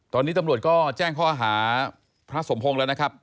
ตอนนี้ตำรวจก็แจ้งข้อหาพระสมพงศ์แล้วนะครับ